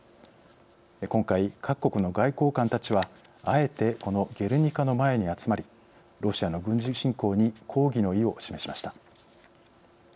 今回、各国の外交官たちはあえてこのゲルニカの前に集まりロシアの軍事侵攻に抗議の意を示しました。